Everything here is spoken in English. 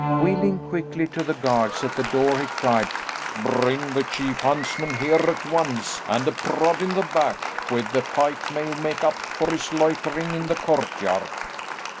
Wheeling quickly to the guards at the door he cried, "Bring the chief huntsman here at once, and a prod in the back with a pike may make up for his loitering in the courtyard."